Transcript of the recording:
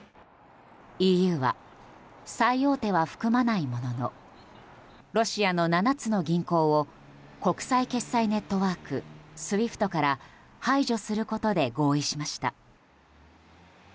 ＥＵは最大手は含まないもののロシアの７つの銀行を国際決済ネットワーク・ＳＷＩＦＴから排除することで合意しました。